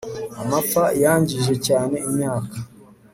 Amapfa yangije cyane imyaka